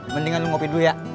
mendingan ngopi dulu ya